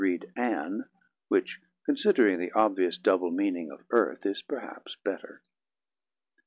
read 'An', which, considering the obvious double meaning of 'earth', is perhaps better.